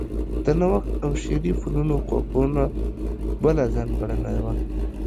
د نوښت او شعري فنونو خوښونه بله ځانګړنه وه